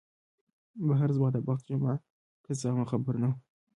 بهر زما د بخت جمعه قضا وه خبر نه وم